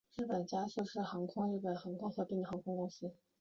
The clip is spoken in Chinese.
日本佳速航空是日本一间被日本航空合并的航空公司。